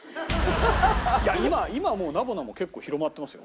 今はもうナボナも結構広まってますよ。